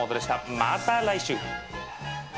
また来週。